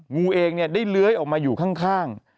งูเองได้เลื้อยออกมาอยู่ข้าง